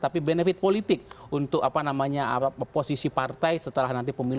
tapi benefit politik untuk posisi partai setelah nanti pemilu dua ribu sembilan belas